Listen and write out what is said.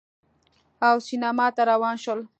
او سینما ته روان شول